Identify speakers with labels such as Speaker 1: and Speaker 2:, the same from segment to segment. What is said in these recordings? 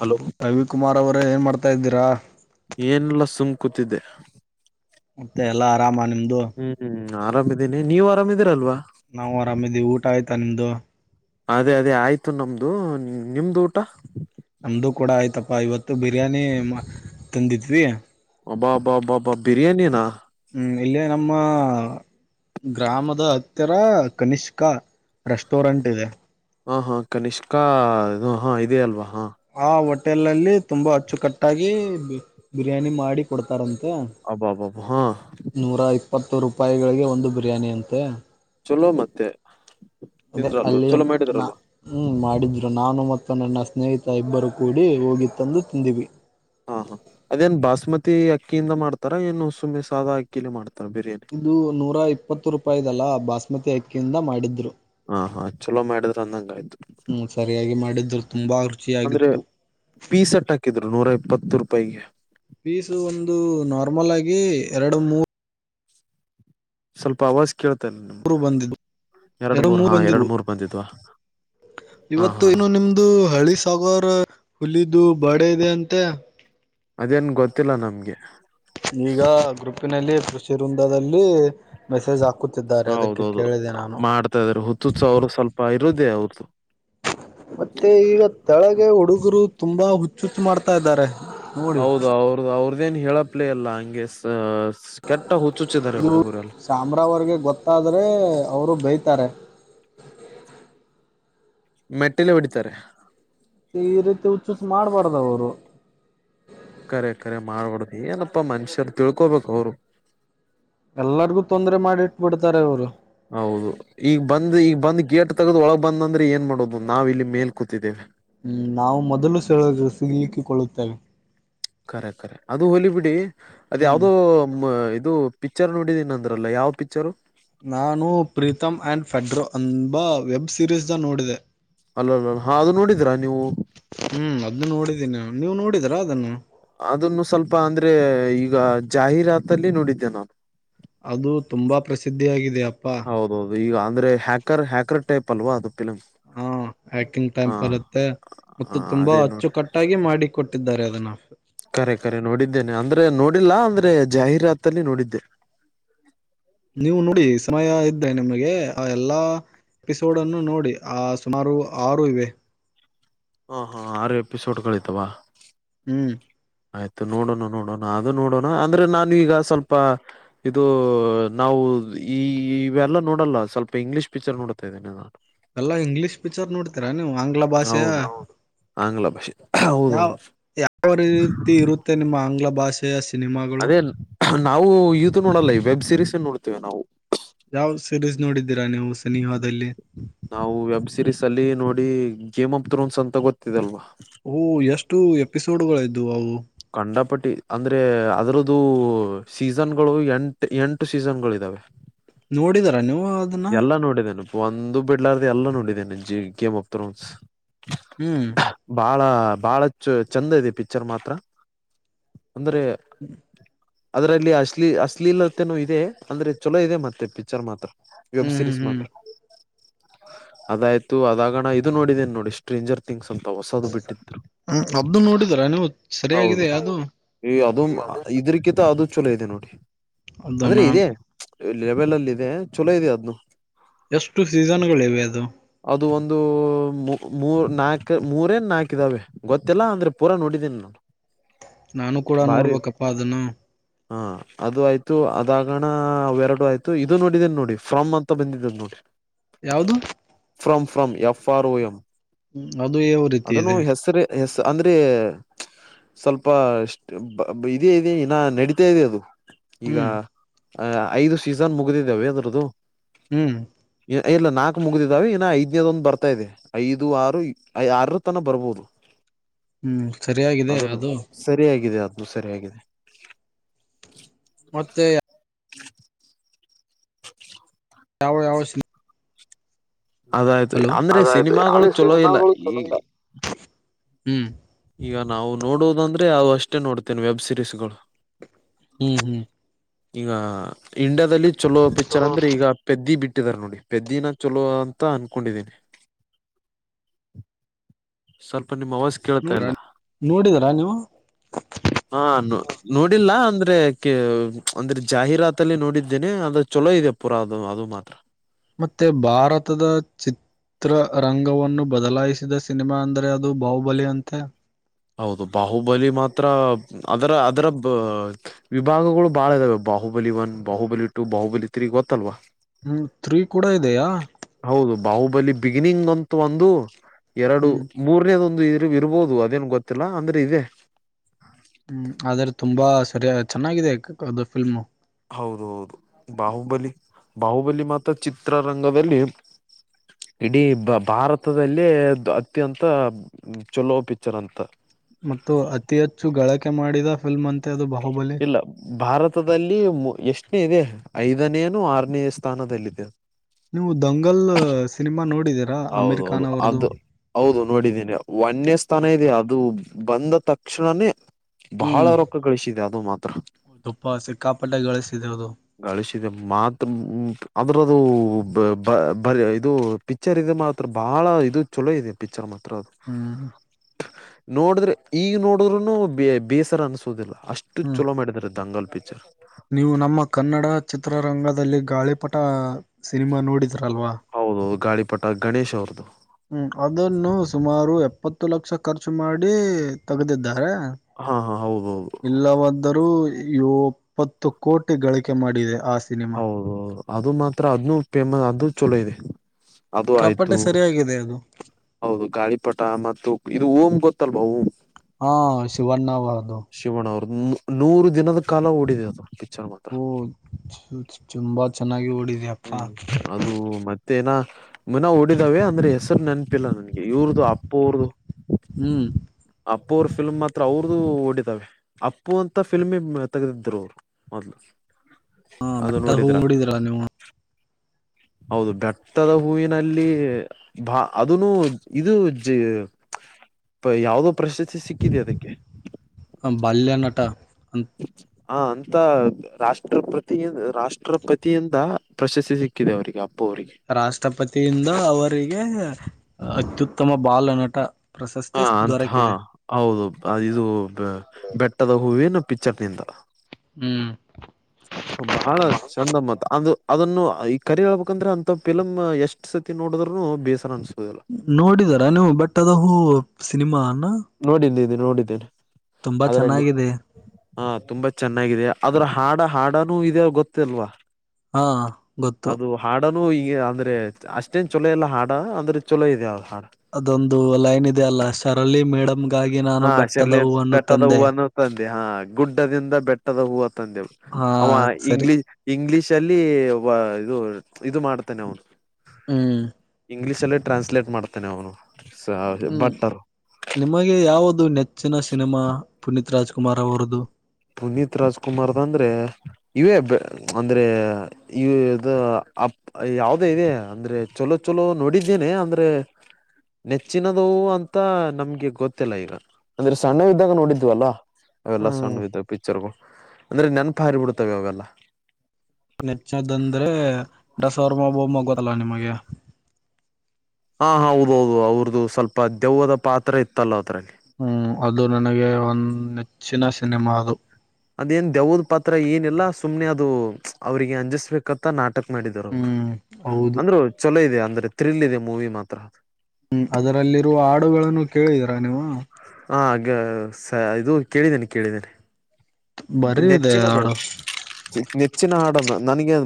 Speaker 1: Hello Ravikumar ಅವರೇ ಏನ್ ಮಾಡ್ತಾ ಇದ್ದೀರಾ?
Speaker 2: ಏನೆಲ್ಲ ಸುಮ್ಕುತಿದೆ.
Speaker 1: ಮತ್ತೆ ಎಲ್ಲಾ ಆರಾಮ ನಿಮ್ದು?
Speaker 2: ಹ್ಮ್ ಆರಾಮಿದ್ದೀನಿ ನೀವು ಆರಾಮಿದೀರಲ್ವಾ?
Speaker 1: ನಾವು ಅರಾಮಿದಿವಿ. ಊಟ ಆಯ್ತಾ ನಿಮ್ದು?
Speaker 2: ಅದೇ ಅದೇ ಆಯ್ತು ನಮ್ದು ನಿಮ್ದು ಊಟ
Speaker 1: ನಮ್ಮದು ಕೂಡ ಆಯತಪ್ಪ ಇವತ್ತು ಬಿರಿಯಾನಿ ಮ ತಂದಿದ್ವಿ
Speaker 2: ಆ ಬಾ ಬಾ ಬಾ ಬಿರಿಯಾನಿನ
Speaker 1: ಹ ಇಲ್ಲೇ ನಮ್ಮ ಗ್ರಾಮದ ಹತ್ತಿರ ಕನಿಷ್ಕ ರೆಸ್ಟೋರೆಂಟ್ ಇದೆ.
Speaker 2: ಹಾಂ ಹಾಂ ಕನಿಷ್ಕ ಹಾಂ ಇದೆ ಅಲ್ವಾ ಹಾಂ
Speaker 1: ಆ ಹೋಟೆಲ್ ಅಲ್ಲಿ ತುಂಬಾ ಅಚ್ಚುಕಟ್ಟಾಗಿ ಬಿರಿಯಾನಿ ಮಾಡಿ ಕೊಡ್ತಾರಂತೆ
Speaker 2: ಅಬ್ಬ ಅಬ್ ಅ ಹಾ
Speaker 1: ನೂರ ಇಪ್ಪತ್ತು ರೂಪಾಯಿಗಳಿಗೆ ಒಂದು ಬಿರಿಯಾನಿ ಅಂತೆ
Speaker 2: ಚಲೋ ಮತ್ತೆ
Speaker 1: ಅದೇ
Speaker 2: ತಿಂದ್ರ ಅಲ್ವ
Speaker 1: ಅಲ್ಲಿ
Speaker 2: ಚಲೋ
Speaker 1: ನಾ
Speaker 2: ಮಾಡಿದಾರಲ್ವ
Speaker 1: ಹ್ಮ್ ಮಾಡಿದ್ರು ನಾನು ಮತ್ತು ನನ್ನ ಸ್ನೇಹಿತ ಇಬ್ಬರು ಕೂಡಿ ಹೋಗಿ ತಂದು ತಿಂದಿವಿ
Speaker 2: ಹಾ ಹಾ ಅದೇನ್ ಬಾಸ್ಮತಿ ಅಕ್ಕಿಯಿಂದ ಮಾಡ್ತಾರ ಏನು ಸುಮ್ಮನೆ ಸಾದ ಅಕ್ಕಿಲಿ ಮಾಡ್ತಾರ ಬಿರಿಯಾನಿ
Speaker 1: ಇದು ನೂರ ಇಪ್ಪತ್ತು ರೂಪಾಯಿದಲ್ಲ ಬಾಸ್ಮತಿ ಅಕ್ಕಿಯಿಂದ ಮಾಡಿದ್ರು
Speaker 2: ಹಾ ಹಾ ಚಲೋ ಮಾಡಿದ್ರ ಅಂದಂಗ ಆಯ್ತು
Speaker 1: ಹ್ಮ್ ಸರಿಯಾಗಿ ಮಾಡಿದ್ರು ತುಂಬಾ
Speaker 2: ಅಂದ್ರೆ
Speaker 1: ರುಚಿಯಾಗಿತ್ತು
Speaker 2: ಪೀಸಟ್ಟ ಹಾಕಿದ್ರು ನೂರ ಇಪ್ಪತ್ತು ರೂಪಾಯಿಗೆ?
Speaker 1: ಪೀಸು ಒಂದು ನಾರ್ಮಲ್ ಆಗಿ ಎರಡು ಮೂ
Speaker 2: ಸ್ವಲ್ಪ ಅವಾಜ್ ಕೇಳ್ತೇನೆ ನಿಮ್ದ
Speaker 1: ಬಂದಿದ್ದು
Speaker 2: ಎರಡು ಮೂರ್
Speaker 1: ಮೂರು
Speaker 2: ಹಾ ಎರಡು
Speaker 1: ಬಂದಿದ್ವು
Speaker 2: ಮೂರ್ ಬಂದಿದ್ವಾ ಹಾ
Speaker 1: ಇವತ್ತು
Speaker 2: ಹಾ
Speaker 1: ಇನು ನಿಮ್ದು ಹಳಿ ಸಾಗರ್ ಹುಲಿದು ಬಾಡ ಇದೆ ಅಂತೆ
Speaker 2: ಅದೇನ್ ಗೊತ್ತಿಲ್ಲ ನಮ್ಗೆ
Speaker 1: ಈಗ ಗ್ರೂಪಿನಲ್ಲಿ ಕೃಷಿ ವೃಂದದಲ್ಲಿ ಮೆಸೇಜ್ ಹಾಕುತ್ತಿದ್ದಾರೆ ಅದಕ್ಕೆ
Speaker 2: ಹೌದೌದು
Speaker 1: ಕೇಳಿದೆ ನಾನು
Speaker 2: ಮಾಡ್ತಾ ಇದಾರೆ ಹುುತ್ತಸ ಅವರು ಸ್ವಲ್ಪ ಇರೋದೇ ಅವ್ರದ್ದು
Speaker 1: ಮತ್ತೆ ಈಗ ತಳಗೆ ಹುಡುಗರು ತುಂಬಾ ಹುಚ್ಚುುಚ್ಚು ಮಾಡ್ತಾ ಇದ್ದಾರೆ ನೋಡಿ
Speaker 2: ಹೌದು ಅವ್ರದ ಅವ್ರದೇಏನ್ ಹೇಳಪ್ಲೇ ಅಲ್ಲಾ ಹಂಗೆ ಸಾ ಕೆಟ್ಟ ಹುಚ್ಚುಚಿಧರೆ ಹುಡುಗುರು ಎಲ್ಲಿ
Speaker 1: ಕ್ಯಾಮ್ರಾವರ್ಗೆ ಗೊತ್ತಾದರೆ ಅವರು ಬಯತಾರೆ
Speaker 2: ಮೆಟ್ಟಿಲೆ ಹೊಡಿತಾರೆ
Speaker 1: ಈ ರೀತಿ ಹುಚ್ಚುಚ್ಚ ಮಾಡ್ಬಾರ್ದ ಅವರು
Speaker 2: ಕರೆ ಕರೆ ಮಾಡ್ಬಡ್ದ ಏನಪ್ಪಾ ಮನುಷ್ಯರು ತಿಳ್ಕೋಬೇಕು ಅವ್ರು
Speaker 1: ಎಲ್ಲರಿಗು ತೊಂದರೆ ಮಾಡಿ ಇಟ್ ಬಿಡ್ತಾರೆ ಇವ್ರು
Speaker 2: ಹೌದು ಈಗ ಬಂದ್ ಈಗ ಬಂದ್ ಗೇಟ್ ತಗದ್ ಒಳಗ್ ಬಂದಂದ್ರೆ ಏನ್ ಮಾಡೋದು ನಾವ್ ಇಲ್ಲಿ ಮೇಲ್ ಕೂತಿದ್ದೇವೆ.
Speaker 1: ಹ್ಮ್ ನಾವು ಮೊದಲು ಸಳ ಸಿಲೀಕಿಕೊಳ್ಳುತ್ತೇವೆ.
Speaker 2: ಖರೆಖರೆ ಅದು ಹೋಗ್ಲಿ ಬಿಡಿ ಅದ
Speaker 1: ಹ್ಮ್
Speaker 2: ಯಾವ್ದೋ ಇದು ಪಿಕ್ಚರ್ ನೋಡಿದೀನೀ ಅಂದ್ರಲ್ಲ ಯಾವ ಪಿಕ್ಚರು?
Speaker 1: ನಾನು ಪ್ರೀತಮ್ ಆ್ಯಂಡ್ ಫೆಡ್ರೋ ಎಂಬ ವೆಬ್ ಸಿರೀಸ್ ನೋಡಿದೆ.
Speaker 2: ಅಲ್ಲ ಅಲ್ಲ ಹಾ ಅದು ನೋಡಿದ್ರಾ ನೀವು?
Speaker 1: ಹ್ಮ್ ಅದನ್ನು ನೋಡಿದೀನಿ ನೀವು ನೋಡಿದ್ರಾ ಅದನ್ನು
Speaker 2: ಅದನ್ನು ಸ್ವಲ್ಪ ಅಂದ್ರೆ ಈಗ ಜಾಹೀರಾತಲ್ಲಿ ನೋಡಿದ್ದೆ ನಾನು.
Speaker 1: ಅದು ತುಂಬಾ ಪ್ರಸಿದ್ಧಿ ಆಗಿದೆ ಯಪ್ಪಾ.
Speaker 2: ಹೌದೌದು ಈಗ ಅಂದ್ರೆ ಹ್ಯಾಕರ್ ಹ್ಯಾಕರ್ ಟೈಪ್ ಅಲ್ವಾ ಅದು ಫಿಲ್ಮ್.
Speaker 1: ಹಾ ಯಾಕಿನ ಟೈ ಬರುತ್ತೆ
Speaker 2: ಹ
Speaker 1: ಮತ್ತು ತುಂಬಾ
Speaker 2: ಅದೇ
Speaker 1: ಅಚ್ಚು
Speaker 2: ನೋಡಿ
Speaker 1: ಕಟ್ಟ ಒಟ್ಟಾಗಿ ಮಾಡಿ ಕೊಟ್ಟಿದ್ದಾರೆ ಅದನ್ನ.
Speaker 2: ಕರೆ ಕರೆ ನೋಡಿದ್ದೇನೆ ಅಂದ್ರೆ ನೋಡಿಲ್ಲಾ ಅಂದ್ರೆ ಜಾಹೀರಾತಲ್ಲಿ ನೋಡಿದ್ದೆ.
Speaker 1: ನೀವು ನೋಡಿ ಸಮಯ ಇದ್ದೆ ನಿಮ್ಗೆ ಆ ಎಲ್ಲಾ ಎಪಿಸೋಡ್ ಅನ್ನು ನೋಡಿ ಆ ಸುಮಾರು ಆರು ಇವೆ.
Speaker 2: ಹಾ ಹಾ ಆರು ಎಪಿಸೋಡ್ಗಳಿದಾವ?
Speaker 1: [unintelligible]
Speaker 2: ಆಯ್ತು ನೋಡೋಣ ನೋಡೋಣ ಅದು ನೋಡೋಣ ಅಂದ್ರೆ ನಾನು ಈಗ ಸ್ವಲ್ಪ ಇದು ನಾವು ಈ ಇವೆಲ್ಲ ನೋಡಲ್ಲ ಸ್ವಲ್ಪ ಇಂಗ್ಲಿಷ್ ಪಿಕ್ಚರ್ ನೋಡ್ತನೆ ನಾನು
Speaker 1: ಎಲ್ಲಾ ಇಂಗ್ಲಿಷ್ ಪಿಕ್ಚರ್ ನೋಡ್ತೀರಾ ನೀವು ಆಂಗ್ಲ ಭಾಷೆಯ
Speaker 2: ಹೌದು ಆಂಗ್ಲ ಭಾಷೆ ಹೌದೌದು.
Speaker 1: ಅವರ ರೀತಿ ಇರುತ್ತೆ ನಿಮ್ಮ ಆಂಗ್ಲ ಭಾಷೆಯ ಸಿನಿಮಾಗ
Speaker 2: ಅದೇ ನಾವು ಇದು ಮಾಡಲ್ಲ ಈ ವೆಬ್ ಸೀರೀಸ್ ನೋಡ್ತೇವೆ ನಾವು.
Speaker 1: ಯಾವ ಸಿರೀಸ್ ನೋಡಿದ್ದೀರಾ ನೀವು ಸನಿಹದಲ್ಲಿ.
Speaker 2: ನಾವು ವೆಬ್ ಸಿರೀಸ್ ಅಲ್ಲಿ ನೋಡಿ ಗೇಮ್ ಆಫ್ ಥ್ರೋನ್ಸ್ ಅಂತ ಗೊತ್ತಿದಲ್ವಾ
Speaker 1: ಓ ಎಷ್ಟು ಎಪಿಸೋಡ್ಗಳ ಇದ್ದವು ಅವು?
Speaker 2: ಕಂಡಾಪಟ್ಟಿ ಅಂದ್ರೆ ಅದ್ರದ್ದು ಸೀಸನ್ ಗಳು ಎಂಟ ಎಂಟು ಸೀಸನ್ ಇದಾವೆ.
Speaker 1: ನೋಡಿದರ ನೀವು ಅದನ್ನ
Speaker 2: ಎಲ್ಲ ನೋಡಿದೆೇನೇ. ಒಂದು ಬಿಡ್ಲಾರ್ದ ಎಲ್ಲ ನೋಡಿದ್ದೇನೆ ಗೇಮ್ ಆಫ್ ಥೋನ್ಸ್ -
Speaker 1: ಹ್ಮ್.
Speaker 2: ಬಾಳ ಬಹಳ ಚ ಚಂದ ಇದೆ ಪಿಕ್ಚರ್ ಮಾತ್ರ ಅಂದ್ರೆ ಅದ್ರಲ್ಲಿ ಅಶ್ಲೀ ಅಶ್ಲೀಲತೆನೂ ಇದೆ ಅಂದ್ರೆ ಚಲೋ ಇದೆ ಮತ್ತೆ ಪಿಕ್ಚರ್ ಮಾತ್ರ. Web
Speaker 1: hmm hmm
Speaker 2: series
Speaker 1: hmm hmm
Speaker 2: ಮಾತ್ರ ಅದಾಯ್ತು ಅದಾಗಣ ಇದು ನೋಡಿದ್ದೇನೆ ನೋಡಿಷ್ಟ ಡೇಂಜರ್ ಥಿಂಗ್ಸ್ ಅಂತ ಹೊಸದು ಬಿಟ್ಟಿದ್ರು.
Speaker 1: ಹ್ಮ್ ಅಬ್ದು ನೋಡಿದಾರ ನೀವತ
Speaker 2: ಹೌದು ಈ ಅದು ಇದ್ರಕ್ಕಿಂತ ಅದು ಚಲೋ ಇದೆ ನೋಡಿ.
Speaker 1: ಅದನ್ನ
Speaker 2: ಅಂದ್ರೆ ಇದೆ ಲೆವೆಲ್ ಅಲ್ಲಿ ಇದೆ ಚಲೋ ಇದೆ ಅದ್ನು
Speaker 1: ಎಷ್ಟು ಸೀಸನ್ ಗಳಿವೆ ಅದು?
Speaker 2: ಅದು ಒಂದು ಮೂರು ನಾಲ್ಕು ಮೂರೇನು ನಾಲ್ಕುದ್ದಾವೆ. ಗೊತ್ತಿಲ್ಲ ಅಂದ್ರೆ ಪೂರ ನೋಡಿದ್ದೀನಿ ನಾನು.
Speaker 1: ನಾನು ಕೂಡ ನೋಡ್ಬೇಕಪ್ಪಾ ಅದನ್ನ
Speaker 2: ಹಾ ಅದು ಆಯ್ತು ಅದಾಗಣ ಎರಡು ಆಯ್ತು ಇದು ನೋಡಿದೇನೆ ನೋಡಿ ಫ್ರಮ್ ಅಂತ ಬಂದಿದ್ದೇನ ನೋಡಿ
Speaker 1: ಯಾವುದು?
Speaker 2: From from F R M
Speaker 1: ಅದು ಯಾವ ರೀತಿ
Speaker 2: ಅದನ್ನು
Speaker 1: ಇದೆ
Speaker 2: ಹೆಸರೆ. ಎಸ್ ಅಂದ್ರೆ ತಾ. ಸ್ವಲ್ಪಷ್ಟಬ ಇದದೆ ಇ ಇನ್ನ ನಡೀತಾ ಇದೆ ಅದು. ಈಗ
Speaker 1: ಹ್ಮ್
Speaker 2: ಅ ಐದು ಸೀಸನ್ ಮುಗಿದಿದ್ದೇವೆ ಅದ್ರದ್ದು.
Speaker 1: ಹ್ಮ್.
Speaker 2: ಇಲ್ಲ ನಾಕ ಮುಗ್ದಿದಾವ. ಐದ್ನೇದೊಂದು ಬರ್ತಾ ಇದೆ ಐದು ಆರು ಆರ ತನ ಬರಬಹುದು.
Speaker 1: ಹ್ಮ್ ಸರಿಯಾಗಿದೆ ಅದು.
Speaker 2: ಸರಿಯಾಗಿದೆ ಅದು ಸರಿಯಾಗಿದೆ.
Speaker 1: ಮತ್ತೆ. ಯಾವ ಯಾವ.
Speaker 2: ಅದಾಯ್ತು
Speaker 1: ಹಲೋ
Speaker 2: ಅಂದ್ರೆ
Speaker 1: ಅದಾಯ್ತು
Speaker 2: ಸಿನಿಮಾಗಳು
Speaker 1: ಅದೇ
Speaker 2: ಚಲೋ ಇಲ್ಲ
Speaker 1: ಸಿನಿಮಾಗಳು
Speaker 2: ಈ
Speaker 1: ಚಲೋ ಹ್ಮ್.
Speaker 2: ಈಗ ನಾವು ನೋಡುವುದಂದ್ರೆ ಅವು ಅಷ್ಟೇ ನೋಡ್ತೇನೆ ವೆಬ್ ಸೀರೀಸ್ಗಳು.
Speaker 1: ಹ್ಮ್ ಹ್ಮ್.
Speaker 2: ಈಗ ಇಂಡಿಯಾದಲ್ಲಿ ಚಲೋ ಪಿಕ್ಚರ್ ಅಂದ್ರೆ ಈಗ. ಪೆದ್ದಿ ಬಿಟ್ಟಿದಾರ ನೋಡಿ ಪೆದ್ದಿನ ಚೊಲೋ ಅಂತ ಅನ್ಕೊಂಡಿದ್ದೀನಿ. ಸ್ವಲ್ಪ ನಿಮ್ಮ ಅವಸ.
Speaker 1: ನೋಡ ನೋಡಿದೀರಾ ನೀವು.
Speaker 2: ಹಾ. ನೋಡಿಲ್ಲ ಅಂದ್ರೆ ಕೇಳ್ ತ್ ಜಾಹೀರಾತಲ್ಲಿ ನೋಡಿದ್ದೇನೆ ಅದ್ರ ಚೊಲೋ ಇದೆ ಪೂರಾ ಅದು ಅದು ಮಾತ್ರ.
Speaker 1: ಮತ್ತೆ ಭಾರತದ ಚಿ. ಚಿತ್ರ ರಂಗವನ್ನು ಬದಲಾಯಿಸಿದ ಸಿನಿಮಾ ಅಂದ್ರೆ ಅದು ಬಾಹುಬಲಿಯ ಅಂತೆ.
Speaker 2: ಹೌದು ಬಾಹುಬಲಿ ಮಾತ್ರ ಅದರ ಅದರ ವಿಭಾಗಗಳು ಬಾಳ ಇದಾವೆ Baahubali one Baahubali two Baahubali three ಗೊತ್ತಲ್ವಾ.
Speaker 1: ಹ್ಮ್ ತ್ರೀ ಕೂಡ ಇದೆಯಾ.
Speaker 2: ಹೌದು ಬಾಹುಬಲಿ ಬಿಗಿನಿಂಗ್ ಅಂತೂ ಒಂದು ಎರಡು
Speaker 1: ಹ್ಮ್
Speaker 2: ಮೂರನೇದೊ ಒಂದು ಇದೆ ಇರಬಹದು ಅದೇನು ಗೊತ್ತಿಲ್ಲ ಅಂದ್ರೆ ಇದೆ.
Speaker 1: ಹ್ಮ್ ಆದ್ರೆ ತುಂಬಾ ಸರಿಯ ಚೆನ್ನಾಗಿದೆ ಅದು ಫಿಲ್ಮ್.
Speaker 2: ಹೌದ ಹೌದು ಬಾಹುಬಲಿ ಬಾಹುಬಲಿ ಮಾತ್ರ ಚಿತ್ರರಂಗದಲ್ಲಿ ಇಡೀ ಬ ಭಾರತದಲ್ಲಿ ಅತ್ಯಂತ ಚಲೋ ಪಿಕ್ಚರ್ ಅಂತ.
Speaker 1: ಮತ್ತು ಅತಿ ಹೆಚ್ಚು ಗಳಕೆ ಮಾಡಿದ ಫಿಲ್ಮ್ ಅಂತೆ ಅದು ಬಾಹುಬಲಿ.
Speaker 2: ಇಲ್ಲ ಭಾರತದಲ್ಲಿ ಎಷ್ಟನೇ ಇದೆ ಐದನೇನು ಆರನೇ ಸ್ಥಾನದಲ್ಲಿದೆ
Speaker 1: ನೀವು ದಂಗಲ್ ಸಿನಿಮಾ ನೋಡಿದೀರಾ ಅಮೀರ್
Speaker 2: ಹೌದೌದು
Speaker 1: ಖಾನ್ ಅವರದು.
Speaker 2: ಅದು ಹೌದು ನೋಡಿದ್ದೇನೆ ವನ್ಯ ಸ್ಥಾನ ಇದೆ ಅದು ಬಂದ ತಕ್ಷಣನೇ ಬಹಳ
Speaker 1: ಹ್ಮ್
Speaker 2: ರೊಕ್ಕ ಕಳಿಸಿದೆ ಅದು ಮಾತ್ರ.
Speaker 1: ತುಪ್ಪ ಸಿಕ್ಕಾಪಟ್ಟೆ ಗಳಿಸಿದೆ ಅದು
Speaker 2: ಗಳಿಸಿದೆ ಮಾತ್ ಅದ್ರದು ಬ ಬರಿ ಇದು ಪಿಕ್ಚರ್. ಪಿಕ್ಚರ್ ಇದು ಮಾತ್ರ ಬಹಳ ಇದು ಚಲೋ ಇದೆ ಪಿಕ್ಚರ್ ಮಾತ್ರ ಅದು.
Speaker 1: ಹ್ಮ್.
Speaker 2: ತ್ ನೋಡಿದ್ರೆ ಈಗ ನೋಡಿದ್ರುನು ಬೇಸರ ಅನ್ಸೋದಿಲ್ಲ ಅಷ್ಟ. ಎಷ್ಟು
Speaker 1: ಹ್ಮ್
Speaker 2: ಚಲೋ ಮಾಡಿದ್ದಾರೆ ದಂಗಲ್ ಪಿಕ್ಚರ್.
Speaker 1: ನೀವು ನಮ್ಮ ಕನ್ನಡ ಚಿತ್ರರಂಗದಲ್ಲಿ ಗಾಳಿಪಟ ಸಿನಿಮಾ ನೋಡಿದ್ರಲ್ವಾ.
Speaker 2: ಹೌದೌದು ಗಾಳಿಪಟ ಗಣೇಶ್ ಅವ್ರದ್ದು.
Speaker 1: ಹ್ಮ್ ಅದನ್ನು ಸುಮಾರು ಎಪ್ಪತ್ತು ಲಕ್ಷ ಖರ್ಚು ಮಾಡಿ ತಗದಿದ್ದಾರೆ.
Speaker 2: ಹಾ ಹಾ ಹೌದೌದು.
Speaker 1: ಇಲ್ಲವಾದರೂ ಎಪ್ಪತ್ತು ಕೋಟಿ ಗಳಿಕೆ ಮಾಡಿದೆ ಆ ಸಿನಿಮಾ.
Speaker 2: ಹೌದೌದು ಅದು ಮಾತ್ರ ಅದನ್ನು ಪೇ ಅದು ಚಲೋ ಇದೆ ಅದು ಆಯ್ತು
Speaker 1: ಸಿಕ್ಕಾಪಟ್ಟೆ ಸರಿಯಾಗಿದೆ ಅದು
Speaker 2: ಹೌದು ಗಾಳಿಪಟ ಮತ್ತು ಇದು ಓಂ ಗೊತ್ತಲ್ವಾ ಓಂ?
Speaker 1: ಹಾ ಶಿವಣ್ಣ ವರದು.
Speaker 2: ಶಿವಣ್ಣ ಅವ್ರದ್ ನೂ ನೂರು ದಿನದ ಕಾಲ ಓಡಿದೆ ಅದು ಪಿಕ್ಚರ್ ಮಾತ್ರ.
Speaker 1: [unintelligible] ತುಂಬಾ ಚೆನ್ನಾಗಿ ಓಡಿದೆ.
Speaker 2: ಹ್ಮ ಅದ್ ದು ಮತ್ತೆ ನ [unintelligible] ಓಡಿದಾವೆ ಅಂದ್ರೆ ಹೆಸರು ನೆನ್ಪಿಲ್ಲ ನನ್ಗೆ ಇವ್ರದು ಅಪ್ಪು ಅವ್ರ್ದು
Speaker 1: ಹ್ಮ
Speaker 2: ಅಪ್ಪು ಅವ್ರ ಫಿಲ್ಮ್ ಮಾತ್ರ ಅವ್ರದು ಓಡಿದಾವೆ ಅಪ್ಪು ಅಂತ ಫಿಲ್ಮೇ ತೆೆಗೆದಿದ್ರು ಅವ್ರು. ಮೊದಲು
Speaker 1: ಹಾ ಬೆಟ್ಟದ ಹೂ ನೋಡಿದಿರಾ ನೀವು?
Speaker 2: ಹೌದು ಬೆಟ್ಟದ ಹೂವಿನಲ್ಲಿ ಬ ಅದನು ಇದು ಜೆ ಪ ಯಾವದೋ? ಪ್ರಶಸ್ತಿ ಸಿಕ್ಕಿದೆ ಅದಕ್ಕೆ.
Speaker 1: [unintelligible] ಬಾಲ್ಯನಾಟ
Speaker 2: ಹ ಅಂತ ರಾಷ್ಟ್ರಪ್ರತಿ ಇದು ರಾಷ್ಟ್ರಪತಿಯಿಂದ ಪ್ರಶಸ್ತಿ ಸಿಕ್ ಕ್ಕಿದೆ ಅವರಿಗೆ ಅಪ್ಪು ಅವರಿಗೆ.
Speaker 1: ರಾಷ್ಟ್ರಪತಿಯಿಂದ ಅವರಿಗೆ ಅತ್ಯುತ್ತಮ ಬಾಲನಟ
Speaker 2: ಹಾ ಅಂತ ಹಾ ಹೌದು ಅ ಇದು ಬ ಬೆಟ್ಟದ ಹೂವಿನ ಪಿಚ್ಚರ್ನಿಂದ.
Speaker 1: ಹ್ಮ
Speaker 2: ಬಹಳ ಚಂದಮ್ಮತ್ ಅಂದ್ ಅದನ್ನು ಈ ಕರಿ ಹೇಳ್ಬೇಕಂದ್ರೆ ಅಂತ ಫೀಲಮ್ ಎಷ್? ಸ್ಟ್ ಸತಿ ನೋಡಿದ್ರುನು ಬೇಸರ ಅನ್ಸೊದಿಲ್ಲ.
Speaker 1: ನೋಡಿದಾರ ನೀವು ಬೆಟ್ಟದ ಹೂ ಸಿನಿಮಾನ?
Speaker 2: ನೋಡಿದ್ದೇನೆ ನೋಡಿದ್ದೇನೆ.
Speaker 1: ತುಂಬಾ
Speaker 2: ಅದರಲ್ಲಿ
Speaker 1: ಚೆನ್ನಾಗಿದೆ.
Speaker 2: ಹಾ ತುಂಬಾ ಚೆನ್ನಾಗಿದೆ ಅದ್ರ ಹಾಡ ಹಾಡನೂ ಇದ ಗೊತ್ತಿಲ್ವಾ?
Speaker 1: ಹಾ ಗೊತ್ತು.
Speaker 2: ಹಾಡನು ಹೀಗೆ ಅಂದ್ರೆ ಅಷ್ಟೇನ್ ಚಲೋ ಇಲ್ಲ ಹಾಡ ಅಂದ್ರೆ ಚಲೋ ಇದೆ ಅವ್ರ್ ಹಾಡ.
Speaker 1: ಅದೊಂದು ಲೈನ್ ಇದೆ ಅಲ್ಲ ಶರ್ಲಿ ಮೇಡಮ್
Speaker 2: ಹಾ ಶರ್ಲಿ ಬೆಟ್ಟದ ಹೂವನೂ ತಂದೆ ಹಾ ಗುಡ್ಡದಿಂದ ಬೆಟ್ಟದ ಹೂವ ತಂದೆ.
Speaker 1: ಹಾ
Speaker 2: ಅವ
Speaker 1: ಸರಿ
Speaker 2: ಇಂಗ್ಲಿಷ್‌ ಇಂಗ್ಲಿಷ್ ಅಲ್ಲಿ ಒಬ್ಬ ಇದು ಇದು ಮಾಡ್ತಾನೆ ಅವನು.
Speaker 1: ಹ್ಮ
Speaker 2: ಇಂಗ್ಲೀಷ್ ಅಲ್ಲೇ ಟ್ರಾನ್ಸ್ಲೇಟ್ ಮಾಡ್ತಾನೆ ಅವನು [unintelligible]
Speaker 1: ಹ್ಮ್
Speaker 2: ಬಟ್ಟರ್
Speaker 1: ನಿಮಗೆ ಯಾವದು ನೆಚ್ಚಿನ ಸಿನಿಮಾ ಪುನೀತ್ ರಾಜ್‍ಕುಮಾರ್ ಅವರದು?
Speaker 2: ಪುನೀತ್ ರಾಜ್ ಕುಮಾರ್ ದಂದ್ರೆ ಇವೇ [unintelligible] ಅಂದ್ರೆ ಇದು ಅಪ್ ಯಾವುದೋ ಇದೆ ಅಂದ್ರೆ ಚಲೋ ಚಲೋ ನೋಡಿದ್ದೇನೆ ಅಂದ್ರೆ? ನೆಚ್ಚಿನದವು ಅಂತ ನಮ್ಗೆ ಗೊತ್ತಿಲ್ಲ ಈಗ ಅಂದ್ರೆ ಸಣ್ಣವು ಇದ್ದಾಗ ನೋಡಿದ್ ದ್ದು ಅಲ್ಲ ಅವೆಲ್ಲ
Speaker 1: ಹ್ಮ್
Speaker 2: ಸಣ್ಣವ್ ಇದ್ದಾಗ ಪಿಕ್ಚರ್ಗಳು ಅಂದ್ರೆ ನೆನಪ್ ಹಾರಿಬಿಡ್ತವೆ ಅವೆಲ್ಲ.
Speaker 1: ನೆಚ್ಚದ್ದ ಅಂದ್ರೆ ನಟಸರ್ವಭೌಮ ಗೊತ್ತಲ್ಲಾ ನಿಮಗೆ?
Speaker 2: ಹಾ ಹ ಹೌದೌದು ಅವ್ರದು ಸ್ವಲ್ಪ ದೆವ್ವದ ಪಾತ್ರ ಇತ್ತಲ್ಲ ಅದರಲ್ಲಿ.
Speaker 1: ಹ್ಮ ಅದು ನನಗೆ ಒಂದ್ ನೆಚ್ಚಿನ ಸಿನಿಮಾ ಅದು.
Speaker 2: ಅದೇನ್ ದೆವ್ವದ್ ಪಾತ್ರ ಏನಿಲ್ಲ ಸುಮ್ಮನೆ ಅದು ಅವ್ರಿಗೆ ಅಂಜಿಸ್ಬೇಕ್ [unintelligible] ನಾಟಕ್ ಮಾಡಿದಾರ ಅವರು
Speaker 1: ಹ್ಮ್ ಹೌದು
Speaker 2: ಅಂದ್ರು ಚಲೋ ಇದೆ ಅಂದ್ರೆ ಥ್ರಿಲ್ ಇದೆ ಮೂವಿ ಮಾತ್ರ.
Speaker 1: ಹ್ಮ ಅದರಲ್ಲಿರುವ ಹಾಡುಗಳನ್ನು ಕೇಳಿದೀರಾ ನೀವು?
Speaker 2: ಹ ಹಾಗ ಇದು ಕೇಳಿದ್ದೇನೆ ಕೇಳಿದ್ದೇನೆ
Speaker 1: ಬರಿ ಇದೆ
Speaker 2: ನೆಚ್ಚಿನ
Speaker 1: ಹಾಡು
Speaker 2: ತೋದು ನೆಚ್ಚಿನ ಹಾಡ ನನಗೆ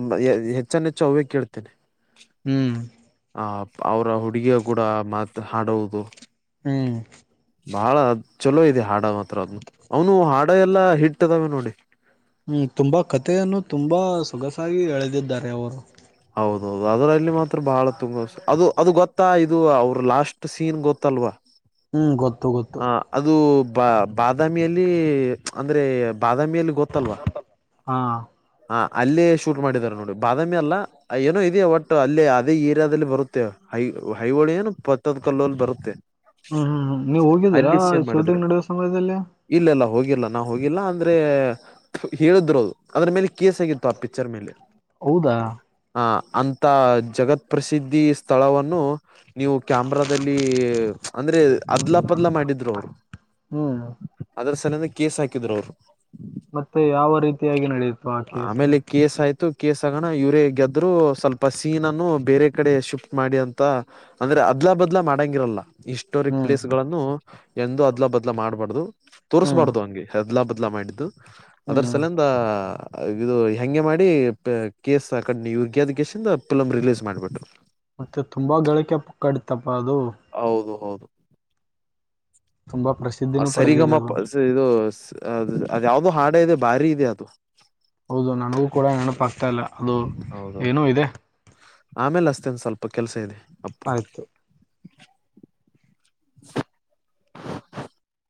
Speaker 2: ಹೆಚ್ಚೆಚ್ಚು ಹ್ಯ ಕೇಳ್ತೇನೆಿ
Speaker 1: ಹ್ಮ್
Speaker 2: ಅವರ ಹುಡುಗಿಯ ಕೂಡ ಮಾತು ಹಾಡುವುದು
Speaker 1: ಹ್ಮ್
Speaker 2: ಬಾಳ್ ಚಲೋ ಇದೆ ಹಾಡ ಮಾತ್ರ ಅದ್ನು ಅವನು ಹಾಡ ಎಲ್ಲಾ ಹಿಟ್ಟದಾವೆ ನೋಡಿ
Speaker 1: ಹ್ಮ್ ತುಂಬಾ ಕಥೆಯನ್ನು ತುಂಬಾ ಸೊಗಸಾಗಿ ಎಳೆದಿದ್ದಾರೆ ಅವರು
Speaker 2: ಹೌದೌದು ಅದ್ರಲ್ಲಿ ಮಾತ್ರ ಬಹಳ ತುಂಬ ಅದು ಅದು ಗೊತ್ತಾ ಇದು ಅವ್ರ ಲಾಸ್ಟ್ ಸೀನ್ ಗೊತ್ತಲ್ವಾ
Speaker 1: ಹ್ಮ್ ಗೊತ್ತು ಗೊತ್ತು
Speaker 2: ಹ ಅದು ಬ ಬಾದಾಮಿಯಲ್ಲಿ ಅಂದ್ರೆ ಬಾದಾಮಿಯಲ್ಲಿ ಗೊತ್ತಲ್ವಾ
Speaker 1: ಹಾ
Speaker 2: ಹ ಅಲ್ಲೇ ಶೂಟ್ ಮಾಡಿದ್ದಾರೆ ನೋಡಿ ಬಾದಾಮಿ ಅಲ್ಲ ಏನೋ ಇದೆಯ ಒಟ್ ಅಲ್ಲೇ ಅದೇ ಏರಿಯಾದಲ್ಲಿ ಬರುತ್ತ ಮತ್ತ ಹೈ ಹೈಹಳಿ ಏನು ಪತ್ತದ್ ಕಲ್ಲಲ್ಲಿ ಬರುತ್ತೆ
Speaker 1: ಹ್ಮ್ ಹ್ಮ್ ಹ್ಮ್ ನೀ್ ಹೋಗಿದ್ದೀರಾ ಶೂಟಿಂಗ್ ನಡುವ ಸಮಯದಲ್ಲಿ
Speaker 2: ಇಲ್ಲ ಇಲ್ಲ ಹೋಗಿಲ್ಲ ನಾ ಹೋಗಿಲ್ಲ ಅಂದ್ರೆ ಹೇಳುದ್್ರದು ಅದ್ರ ಮೇಲೆ ಕೇಸ್ ಆಗಿತ್ತು ಆ ಪಿಕ್ಚರ್ ಮೇಲೆ
Speaker 1: ಹೌದಾ
Speaker 2: ಅ ಅಂತ ಜಗತ್ ಪ್ರಸಿದ್ಧಿ ಸ್ಥಳವನ್ನು ನೀವು ಕ್ಯಾಮ್ರಾದಲ್ಲಿ ಅಂದ್ರೆ ಅದ್ಲ ಪದ್ಲ ಮಾಡಿದ್ರು ಅವರು
Speaker 1: ಹ್ಮ್.
Speaker 2: ಅದ್ರ ಸಲಯಂದ ಕೇಸ್ ಹಾಕಿದ್ರು ಅವ್ರು
Speaker 1: ಮತ್ತೆ ಯಾವ ರೀತಿಯಾಗಿ ನಡೆಯುತ್ತೆ
Speaker 2: ಆಮೇಲೆ ಕೇಶ್ ಆಯ್ತು ಕೇಸಗಣ ಇವರೇ ಗೆದ್ರು ಸ್ವಲ್ಪ ಸೀನ ಅನ್ನು ಬೇರೆ ಕಡೆ ಶಿಫ್ಟ್ ಮಾಡಿ ಅಂತ ಅಂದ್ರೆ ಅದ್ಲಾ ಬದ್ಲ ಮಾಡಂಗಿರಲ್ಲ ಹಿಸ್ಟೋರಿಕ್
Speaker 1: ಹ್ಮ್.
Speaker 2: ಪ್ಲೇಸ್ ಗಳನ್ನು ಎಂದ ಅದ್ಲ ಬದ್ಲ ಮಾಡ್ಬಾರ್ದು
Speaker 1: ಹ್ಮ್
Speaker 2: ತೋರ್ಸ್ಬಾರ್ದು ಹಂಗೆ ಹೆದ್ಲಾ ಬದ್ಲ ಮಾಡಿದ್ದು ಅದರ
Speaker 1: ಹ್ಮ್
Speaker 2: ಸಲಂದ ಇದು ಹಂಗೆ ಮಾಡಿ ಕೇಸ್ ಆ ಕಡ್ ಯಗ್ಯಾದ ಕೇೇಶಿಂದ ಫಿಲಮ್ ರಿಲೀಸ್ ಮಾಡಿಬಿಟ್ಟು
Speaker 1: ಮತ್ತೆ ತುಂಬಾ ಗಳಳಿಕೆ ಪುಕ್ಕಾಡತ್ತಪ್ಪಾ ಅದು
Speaker 2: ಹೌದು ಹೌದು
Speaker 1: ತುಂಬಾ ಪ್ರಸಿದ್ಧಿನೂ ಪಡೆದಿದೆ
Speaker 2: ಸರಿಗಮ್ಮಪ
Speaker 1: ಅದು.
Speaker 2: ಇದು ಅದು ಯಾವ್ದೋ ಹಾಡ ಇದೆ ಬಾರಿ ಇದೆ ಅದು
Speaker 1: ಹೌದು ನನಗೂ ಕೂಡ ನೆನಪಾಗಗ್ತಾ ಇಲ್ಲ ಅದು
Speaker 2: ಹೌದೌದು
Speaker 1: ಏನೋ ಇದೆ
Speaker 2: ಆಮೇಲೆ ಅಷ್ಟೇ ಒಂದು ಸ್ವಲ್ಪ ಕೆಲ್ಸ ಇದೆ ಅಪ್ಪು
Speaker 1: ಆಯ್ತು